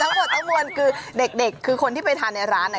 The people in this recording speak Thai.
ทั้งหมดทั้งมวลคือเด็กคือคนที่ไปทานในร้าน